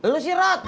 lu sih rat